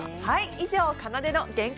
以上、かなでの限界